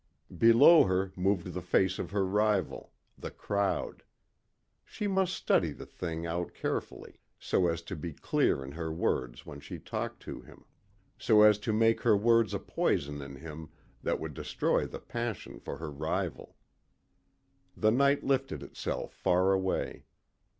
Below her moved the face of her rival the crowd. She must study the thing out carefully so as to be clear in her words when she talked to him. So as to make her words a poison in him that would destroy the passion for her rival. The night lifted itself far away.